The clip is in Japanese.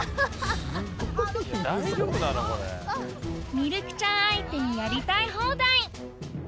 ミルクちゃん相手にやりたい放題